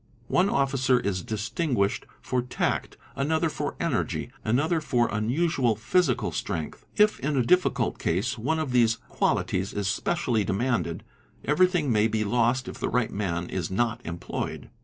One officer is distinguished for tact, an other for energy, another for unusual physical strength; if in a difficult case one of these qualities is specially demanded, everything may be lost if the right man is not employed.